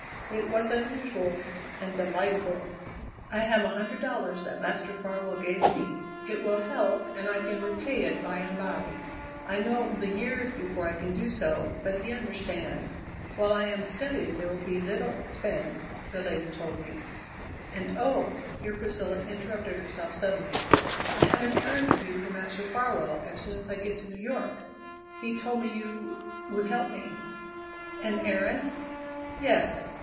It was unusual and delightful. "I have a hundred dollars that Master Farwell gave me. It will help, and I can repay it by and by. I know it will be years before I can do so, but he understands. While I am studying there will be little expense, the lady told me. And oh!" here Priscilla interrupted herself suddenly "I have an errand to do for Master Farwell as soon as I get to New York. He told me you would help me." "An errand?" "Yes.